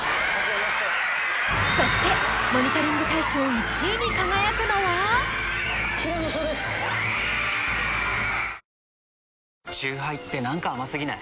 そしてモニタリング大賞１位に輝くのはチューハイって何か甘すぎない？